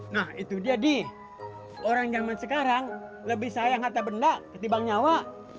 nah itu dia nih orang zaman sekarang lebih sayang harta benda ketimbang nyawa